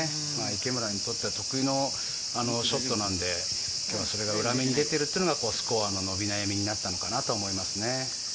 池村にとっては得意のショットなんで、今日はそれが裏目に出ているのがスコアの伸び悩みになったのかなと思いますね。